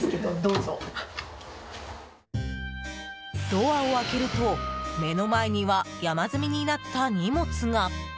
ドアを開けると目の前には山積みになった荷物が。